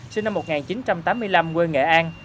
sinh năm một nghìn chín trăm tám mươi năm quê nghệ an